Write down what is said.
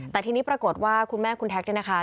แต่ทีนี้ปรากฏว่าคุณแม่คุณแท็กเนี่ยนะคะ